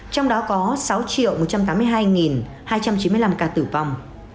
trong đó có sáu một trăm tám mươi hai hai trăm chín mươi năm ca tử vong